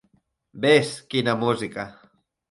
Ves, quina música!